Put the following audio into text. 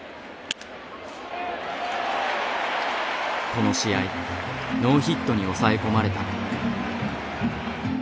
この試合ノーヒットに抑え込まれた。